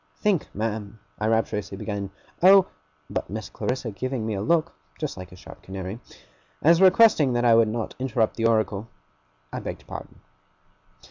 'Think, ma'am,' I rapturously began, 'oh! ' But Miss Clarissa giving me a look (just like a sharp canary), as requesting that I would not interrupt the oracle, I begged pardon.